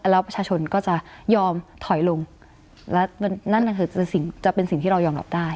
แล้วประชาชนก็จะยอมถอยลงและนั่นก็คือสิ่งจะเป็นสิ่งที่เรายอมรับได้